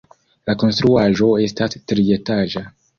La konstruaĵo estas trietaĝa.